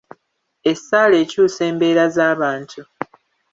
Essaala ekyusa embeera z'abantu.